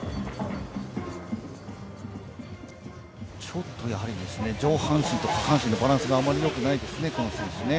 ちょっと上半身と下半身のバランスがあまりよくないですね。